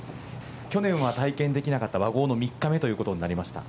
去年は体験できなかった和合の３日目ということになりました。